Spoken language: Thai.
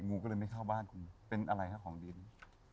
งูก็เลยไม่เข้าบ้านคุณเป็นอะไรฮะของดิน